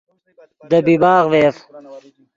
دے بیباغ ڤے یف